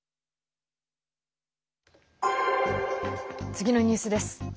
次のニュースです。